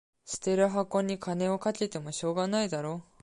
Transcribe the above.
捨てる箱に金かけてもしょうがないだろ